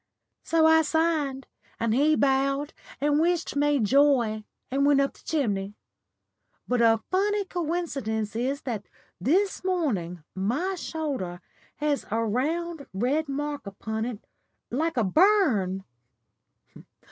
So I signed, and he bowed and wished me joy and went up the chimney. But a funny coincidence is that this morning my shoulder has a round red mark upon it like a burn."